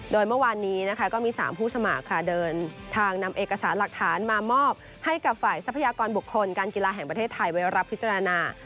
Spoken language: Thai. โดยเมื่อวานนี้นะคะก็มี๓ผู้สมัครค่ะเดินทางนำเอกสารหลักฐานมามอบให้กับฝ่ายทรัพยากรบุคคลการกีฬาแห่งประเทศไทยไว้รับพิจารณา